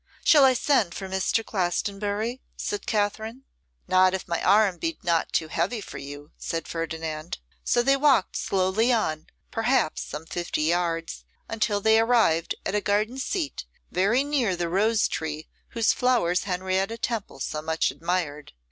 'Shall I send for Mr. Glastonbury?' said Katherine. 'Not if my arm be not too heavy for you,' said Ferdinand. So they walked slowly on, perhaps some fifty yards, until they arrived at a garden seat, very near the rose tree whose flowers Henrietta Temple so much admired.